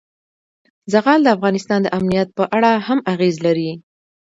زغال د افغانستان د امنیت په اړه هم اغېز لري.